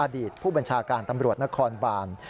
อดีตผู้บัญชาการตำรวจนครบาน